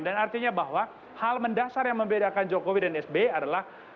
dan artinya bahwa hal mendasar yang membedakan jokowi dan sby adalah